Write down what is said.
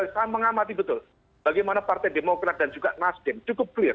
saya mengamati betul bagaimana partai demokrat dan juga nasdem cukup clear